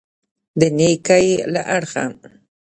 د نېکۍ له اړخه.